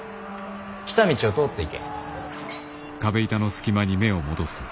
来た道を通っていけ。